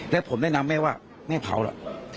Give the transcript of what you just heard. และผมแนะนำแม่ว่าแม่เผาล่ะ